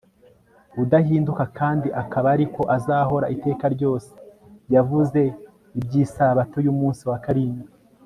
Udahinduka kandi akaba ari ko azahora iteka ryose yavuze ibyIsabato yumunsi wa Karindwi